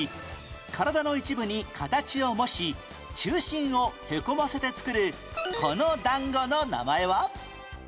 体の一部に形を模し中心をへこませて作るこの団子の名前は？